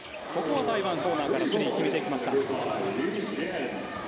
台湾、コーナーからスリーを決めてきました。